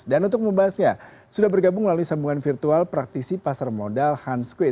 untuk membahasnya sudah bergabung melalui sambungan virtual praktisi pasar modal hans kuih